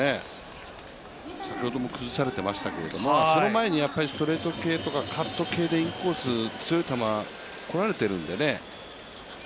先ほども崩されていましたけど、その前にストレート系とかカット系でインコース、強い球、来られているのでね。